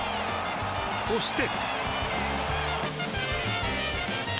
そして。